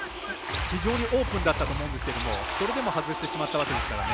非常にオープンだったと思うんですが、それでも外してしまったわけですから。